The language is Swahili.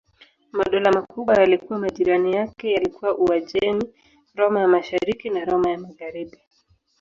Madola makubwa yaliyokuwa majirani yake yalikuwa Uajemi, Roma ya Mashariki na Roma ya Magharibi.